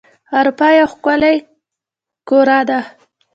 اروپا یو ښکلی قاره ده.